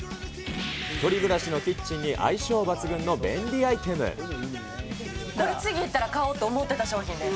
１人暮らしのキッチンに相性これ、次来たら買おうと思ってた商品です。